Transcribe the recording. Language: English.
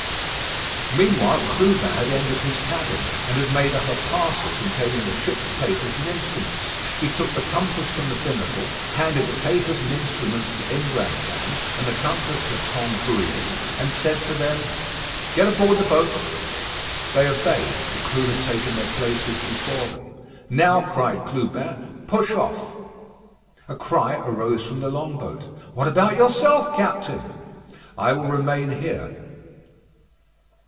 Meanwhile Clubin had entered his cabin, and had made up a parcel containing the ship's papers and instruments. He took the compass from the binnacle, handed the papers and instruments to Imbrancam, and the compass to Tangrouille, and said to them: "Get aboard the boat." They obeyed. The crew had taken their places before them. "Now," cried Clubin, "push off." A cry arose from the long boat. "What about yourself, Captain?" "I will remain here."